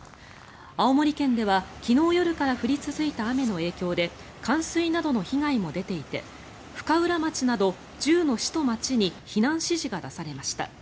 青森県では昨日夜から降り続いた雨の影響で冠水などの被害も出ていて深浦町など１０の市と町に避難指示が出されました。